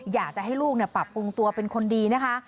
อยากจะให้ลูกปรับปรุงตัวเป็นคนดีนะคะ